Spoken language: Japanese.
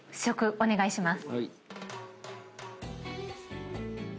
お願いします。